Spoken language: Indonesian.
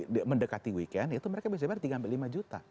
kalau mendekati weekend itu mereka bisa bayar tiga sampai lima juta